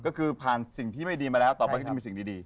ก็คือผ่านสิ่งที่ไม่ดีมาแล้วต่อไปก็จะมีสิ่งดี